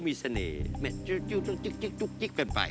มีเสน่ห์